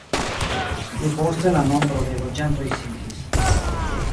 Pli poste la nombro de loĝantoj sinkis.